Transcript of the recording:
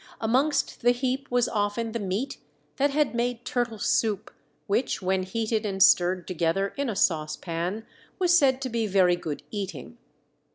Amongst the heap was often the meat that had made turtle soup, which, when heated and stirred together in a saucepan, was said to be very good eating.